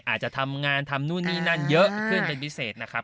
อาจจะทำงานทำนู่นนี่นั่นเยอะขึ้นเป็นพิเศษนะครับ